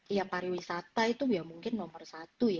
iya pariwisata itu ya mungkin nomor satu ya